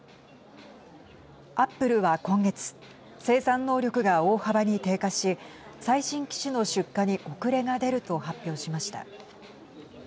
アップルは今月生産能力が大幅に低下し最新機種の出荷に遅れが出ると発表しました。